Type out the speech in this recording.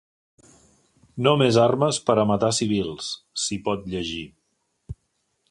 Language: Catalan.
No més armes per a matar civils, s’hi pot llegir.